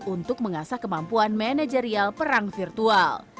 untuk mengasah kemampuan manajerial perang virtual